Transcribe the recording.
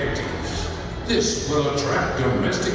ini akan menarik pengembangan domestik